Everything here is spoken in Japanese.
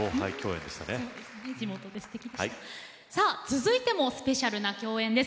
続いてもスペシャルな共演です。